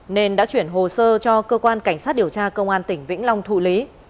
nên đã chuyển hồ sơ cho cơ quan cảnh sát điều tra công an tỉnh vĩnh long thụ lý